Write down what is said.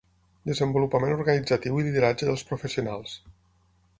Desenvolupament organitzatiu i lideratge dels professionals.